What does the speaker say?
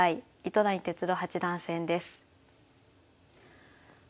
糸谷哲郎八段戦です。